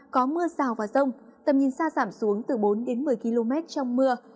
có mưa rào và rông tầm nhìn xa giảm xuống từ bốn một mươi km trong mưa